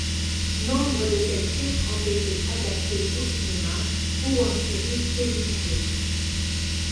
Nombre de ses titres ont été adaptés au cinéma ou en séries télévisées.